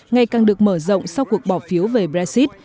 ngày càng được mở rộng sau cuộc bỏ phiếu về brexit